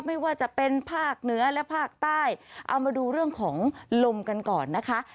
ไม่ว่าจะเป็นภาคเหนือและภาคใต้เอามาดูเรื่องของลมกันก่อนนะคะ